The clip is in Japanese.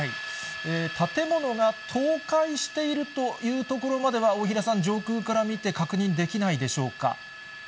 建物が倒壊しているというところまでは、大平さん、上空から見て確認できないでしょうか。